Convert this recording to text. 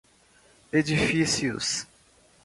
edilícios